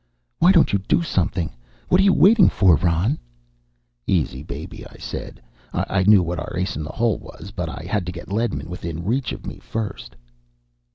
"Why don't you do something? What are you waiting for, Ron?" "Easy, baby," I said. I knew what our ace in the hole was. But I had to get Ledman within reach of me first.